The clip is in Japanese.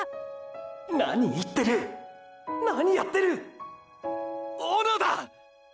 何言ってる⁉何やってる⁉小野田！！